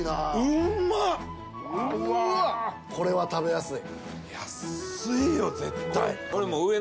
これは食べやすい